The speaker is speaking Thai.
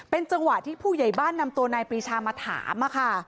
จังหวะที่ผู้ใหญ่บ้านนำตัวนายปรีชามาถาม